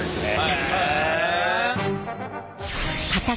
へえ。